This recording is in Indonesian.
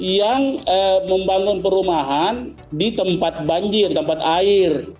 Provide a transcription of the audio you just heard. yang membangun perumahan di tempat banjir tempat air